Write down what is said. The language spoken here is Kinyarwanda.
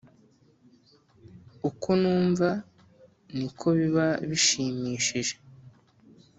uko numva, niko biba bishimishije